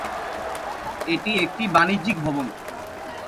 এটি একটি বাণিজ্যিক ভবন।